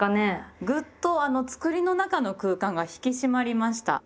グッとつくりの中の空間が引き締まりました。